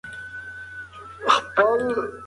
موږ بايد له نړيوالو پرمختګونو خبر اوسو.